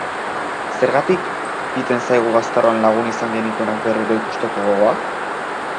Zergatik piten zaigu gaztaroan lagun izan genituenak berriro ikusteko gogoa?